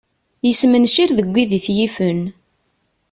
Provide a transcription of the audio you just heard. Yesmencir deg wid i t-yifen.